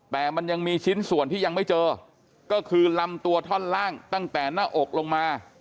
แต่มันยังมีชิ้นส่วนที่ยังไม่เจอก็คือลำตัวท่อนล่างตั้งแต่หน้าอกลงมา